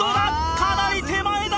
かなり手前だ！